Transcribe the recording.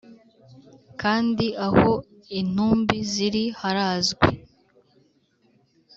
Kandi aho intumbi ziri harazwi